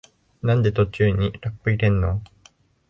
なんで途中にラップ入れんの？